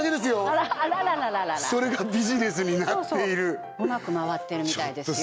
あらららそれがビジネスになっているそううまく回ってるみたいですよ